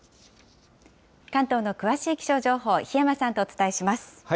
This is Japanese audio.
関東の詳しい気象情報、檜山さんとお伝えします。